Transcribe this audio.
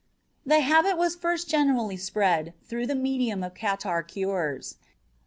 The habit was first generally spread through the medium of catarrh cures.